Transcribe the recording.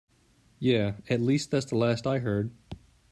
Yeah, at least that's the last I heard.